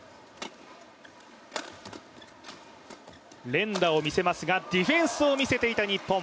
連打を見せますがディフェンスを見せていた日本。